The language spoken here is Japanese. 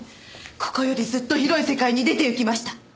ここよりずっと広い世界に出ていきました。